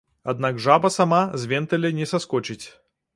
Аднак жаба сама з вентыля не саскочыць.